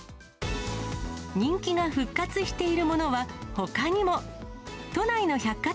人気が復活しているものはほかにも。